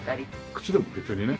靴でも別にね。